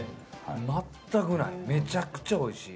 全くない、めちゃくちゃおいしい。